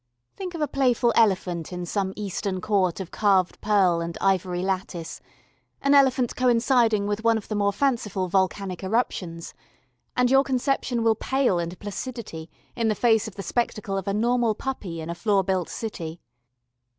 Think of a playful elephant in some Eastern court of carved pearl and ivory lattice; an elephant co inciding with one of the more fanciful volcanic eruptions, and your conception will pale into placidity in the face of the spectacle of a normal puppy in a floor built city.